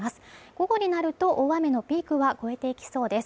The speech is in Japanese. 午後になると大雨のピークは越えていきそうです。